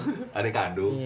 iya adek adu